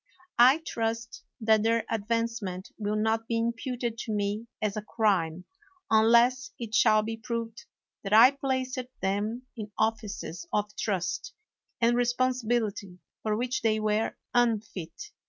I trust that their advance ment will not be imputed to me as a crime unless it shall be proved that I placed them in offices of trust and responsibility for which they were unfit.